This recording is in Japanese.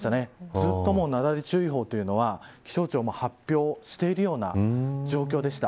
ずっと雪崩注意報は気象庁も発表している状況でした。